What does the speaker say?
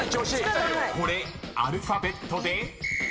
［これアルファベットで？］